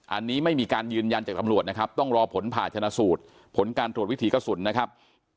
อันนี้ไม่มีการยืนยันจากตำรวจนะครับต้องรอผลผ่าชนะสูตรผลการตรวจวิถีกระสุนนะครับ